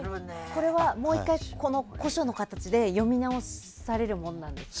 これはもう１回、古書の形で読み直されるものなんですか？